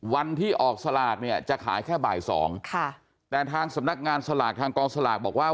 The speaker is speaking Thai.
วันที่ออกสลากเนี่ยจะขายแค่บ่ายสองค่ะแต่ทางสำนักงานสลากทางกองสลากบอกว่า